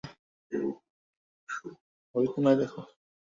ওই কোণায় দেখো।